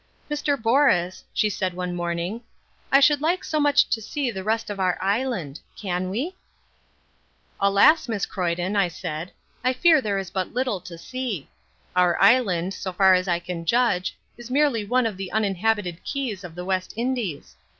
"Mr. Borus," she said one morning, "I should like so much to see the rest of our island. Can we?" "Alas, Miss Croyden," I said, "I fear that there is but little to see. Our island, so far as I can judge, is merely one of the uninhabited keys of the West Indies.